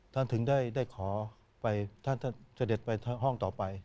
ถึงได้ขอไปท่านเสด็จไปห้องต่อไป